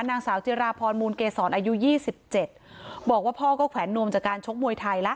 นางสาวจิราพรมูลเกษรอายุยี่สิบเจ็ดบอกว่าพ่อก็แขวนนวมจากการชกมวยไทยละ